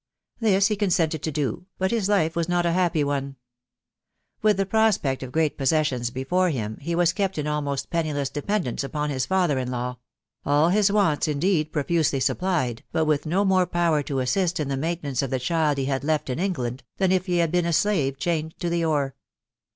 This he consented to do, but his life was not a happy one. With the prospect of great posset lions before him, he was kept in almost penniless dependence upon his father in law ; all his wants, indeed, profusely sop* plied, but with no more power to assist in the maintenance of the child he had left in England than if he had been a slave chained to the oar.